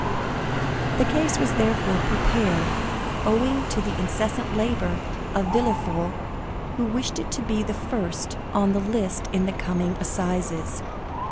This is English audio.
The case was therefore prepared owing to the incessant labor of Villefort, who wished it to be the first on the list in the coming assizes.